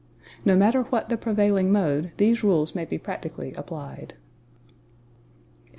NO MATTER WHAT THE PREVAILING MODE THESE RULES MAY BE PRACTICALLY APPLIED.